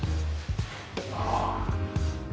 ああ。